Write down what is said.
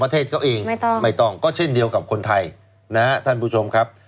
ประเทศเขาเองไม่ต้องไม่ต้องก็เช่นเดียวกับคนไทยนะฮะท่านผู้ชมครับ